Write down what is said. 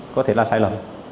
có thể là sai lầm